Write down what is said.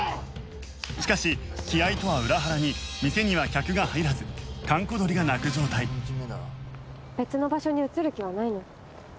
しかし気合とは裏腹に店には客が入らず閑古鳥が鳴く状態別の場所に移る気はないの？